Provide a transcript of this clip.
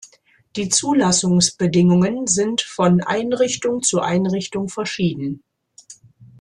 Die Zulassungsbedingungen sind von Einrichtung zu Einrichtung verschieden.